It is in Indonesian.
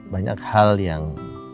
banyak hal yang